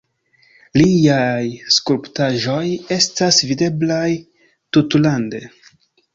Liaj skulptaĵoj estas videblaj tutlande.